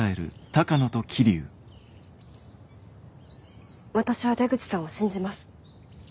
私は出口さんを信じます。